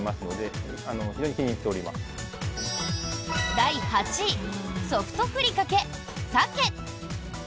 第８位「ソフトふりかけさけ」。